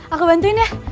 aku bantuin ya